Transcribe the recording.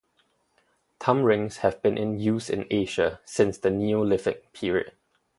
Thumb rings have been in use in Asia since the Neolithic period.